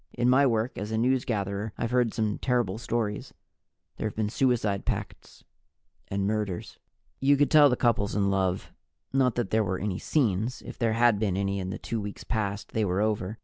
In my work as a newsgatherer, I've heard some terrible stories. There have been suicide pacts and murders. You could tell the couples in love. Not that there were any scenes. If there had been any in the two weeks past, they were over.